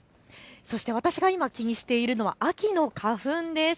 そして私が今、気にしているのは秋の花粉です。